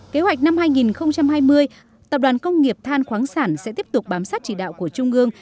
kế hoạch năm hai nghìn hai mươi tập đoàn công nghiệp than khoáng sản sẽ tiếp tục bám sát chỉ đạo của trung ương